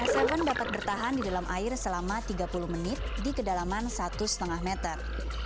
s tujuh dapat bertahan di dalam air selama tiga puluh menit di kedalaman satu lima meter